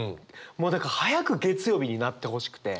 もうだから早く月曜日になってほしくて。